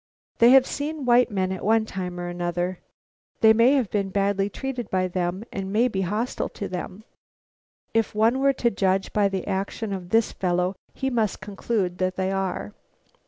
They have seen white men at one time or another. They may have been badly treated by them and may be hostile to them. If one were to judge by the action of this fellow he must conclude that they are.